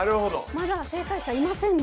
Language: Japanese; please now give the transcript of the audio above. まだ正解者いませんね。